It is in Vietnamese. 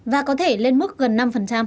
và có thể lên mức gần năm